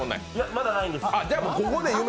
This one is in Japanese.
まだないんです。